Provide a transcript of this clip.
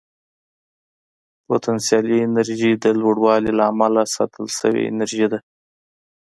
پوتنسیالي انرژي د لوړوالي له امله ساتل شوې انرژي ده.